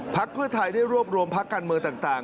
พักเพื่อไทยได้รวบรวมพักการเมืองต่าง